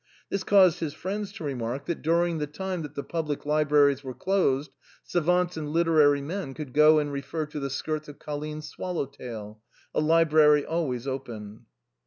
This caused his friends to remark that during the time that the public libraries were closed, savants and literary men could go and refer to the skirts of Colline's swallow tail — a library always open.